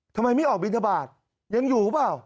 ทำไมไม่ออกบินทบาทยังอยู่หรือเปล่า